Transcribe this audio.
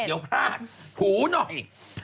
เดี๋ยวพลาดหูหน่อย